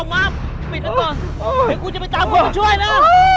ให้กูจะไปตามคนช่วยนะ